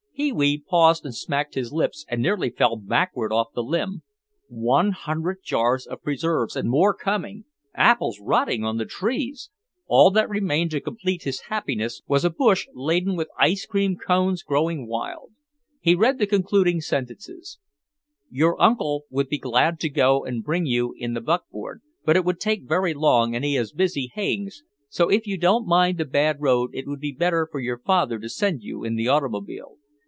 Pee wee paused and smacked his lips and nearly fell backward off the limb. One hundred jars of preserves and more coming! Apples rotting on the trees! All that remained to complete his happiness was a bush laden with ice cream cones growing wild. He read the concluding sentences: Your uncle would be glad to go and bring you in the buckboard but it would take very long and he is busy haying so if you don't mind the bad road it would be better for your father to send you in the automobile.